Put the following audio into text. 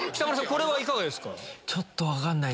これはいかがですか？